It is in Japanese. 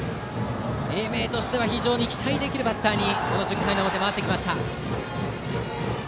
英明としては期待のできるバッターにこの１０回の表、回ってきました。